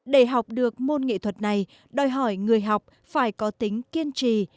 để học được môn nghệ thuật này đòi hỏi người học phải có tính kiên trì